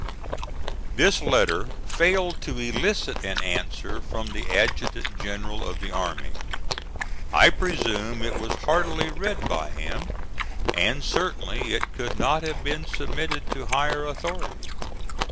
This letter failed to elicit an answer from the Adjutant General of the Army. I presume it was hardly read by him, and certainly it could not have been submitted to higher authority.